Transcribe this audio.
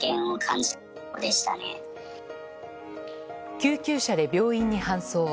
救急車で病院に搬送。